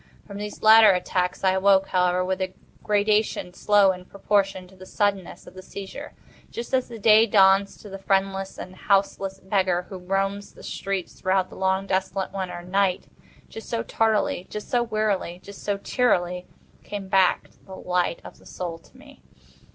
From these latter attacks I awoke, however, with a gradation slow in proportion to the suddenness of the seizure. Just as the day dawns to the friendless and houseless beggar who roams the streets throughout the long desolate winter night—just so tardily—just so wearily—just so cheerily came back the light of the Soul to me.